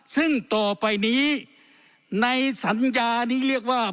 ซึ่งต่อไปนี้ในสัญญานี้เรียกว่า